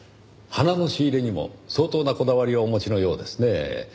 花の仕入れにも相当なこだわりをお持ちのようですねぇ。